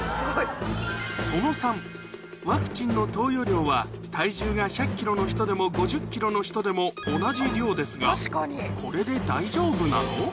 その３ワクチンの投与量は体重が１００ｋｇの人でも５０ｋｇの人でも同じ量ですがこれで大丈夫なの？